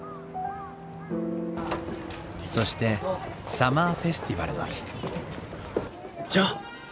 そしてサマーフェスティバルの日ジョー！